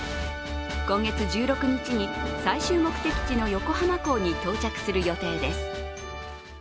今月１６日に最終目的地の横浜港に到着する予定です。